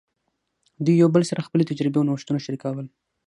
دوی یو بل سره خپلې تجربې او نوښتونه شریکول.